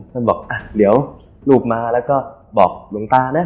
ท่านบอกอ่ะเดี๋ยวรูปมาแล้วก็บอกหลวงตานะ